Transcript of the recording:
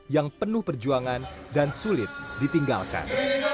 yang penuh perjuangan dan sulit ditinggalkan